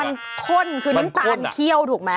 มันข้นคือน้ำตาลเขี้ยวถูกไหม